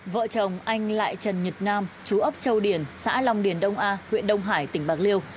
vợ chồng anh lại trần nhật nam chú ốc châu điển xã long điển đông a huyện đông hải tỉnh bạc liêu